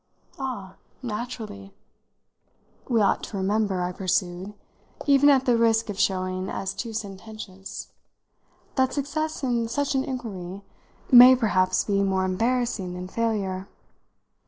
"Ah, naturally!" "We ought to remember," I pursued, even at the risk of showing as too sententious, "that success in such an inquiry may perhaps be more embarrassing than failure.